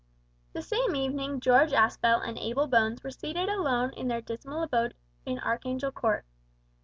The same evening George Aspel and Abel Bones were seated alone in their dismal abode in Archangel Court.